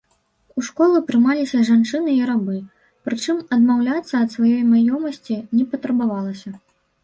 У школу прымаліся жанчыны і рабы, прычым адмаўляцца ад сваёй маёмасці не патрабавалася.